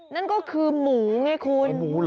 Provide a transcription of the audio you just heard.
นั่นก็คือหมูไงคุณ